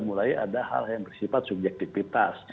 mulai ada hal yang bersifat subjektivitas